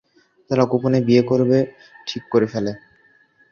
তারা গোপনে বিয়ে করবে ঠিক করে ফেলে।